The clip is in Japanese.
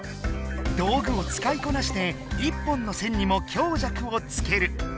道具を使いこなして一本の線にも強弱をつける。